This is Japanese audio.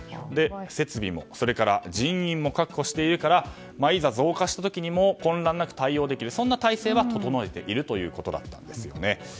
設備も人員も確保しているからいざ、増加した時にも混乱なく対応できるそんな体制は整えているということです。